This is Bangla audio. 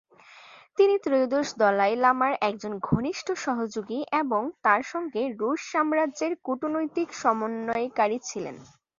তিনি ত্রয়োদশ দলাই লামার একজন ঘনিষ্ঠ সহযোগী এবং তার সঙ্গে রুশ সাম্রাজ্যের কূটনৈতিক সমন্বয়কারী ছিলেন।